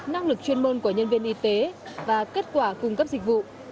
năng lực chuyên môn của nhân viên y tế và kết quả cung cấp dịch vụ